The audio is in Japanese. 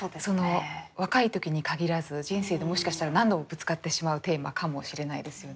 若い時に限らず人生でもしかしたら何度もぶつかってしまうテーマかもしれないですよね。